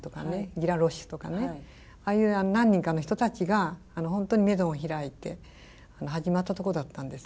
ギ・ラロッシュとかねああいう何人かの人たちが本当にメゾンを開いて始まったとこだったんです。